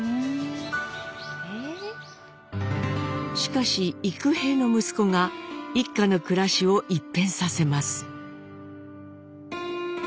しかし幾平の息子が一家の暮らしを一変させます。